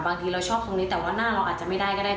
บางทีเราชอบตรงนี้แต่ว่าหน้าเราอาจจะไม่ได้ก็ได้